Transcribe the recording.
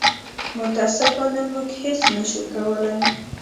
متاسفانه موږ هېڅ نه شو کولی.